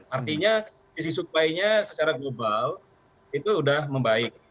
artinya sisi supply nya secara global itu sudah membaik